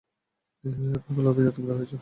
পাগল আমি না, তোমরা হয়েছ।